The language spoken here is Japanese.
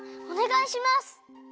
おねがいします！